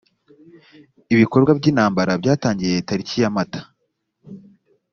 ibikorwa by intambara byatangiye tariki ya mata